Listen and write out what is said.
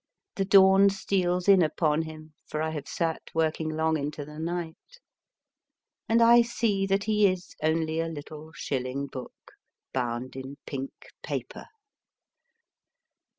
The dawn steals in upon him, for I have sat working long into the night, and I see that he is only a little shilling book bound in pink paper.